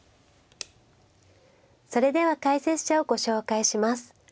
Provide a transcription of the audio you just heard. それでは解説者をご紹介します。